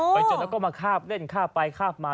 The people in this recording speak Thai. ไปเจอแล้วก็มาข้าบเล่นข้าบไปข้าบมา